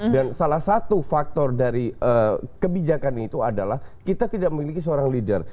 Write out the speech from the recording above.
dan salah satu faktor dari kebijakan itu adalah kita tidak memiliki seorang leader